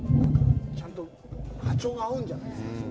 ちゃんと波長が合うんじゃないですか。